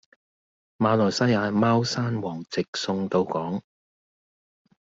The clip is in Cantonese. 馬來西亞貓山王直送到港